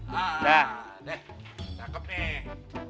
nah deh cakep nih